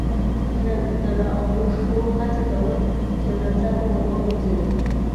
نه د را اوښتو هڅه کول، چې یو ناڅاپه ور وغورځېد.